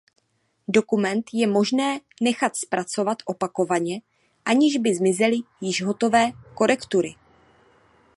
Dokument je možné nechat zpracovat opakovaně aniž by zmizely již hotové korektury.